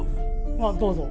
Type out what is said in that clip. まあどうぞ。